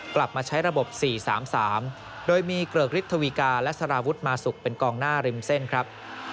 กลับมาใช้ระบบสี่สามสามโดยมีเกลือกฤทธวิกาและสาราวุธมาสุกเป็นกองหน้าริมเส้นครับ